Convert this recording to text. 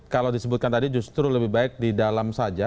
kalau disebutkan tadi justru lebih baik di dalam saja